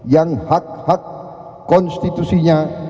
yang hak hak konstitusinya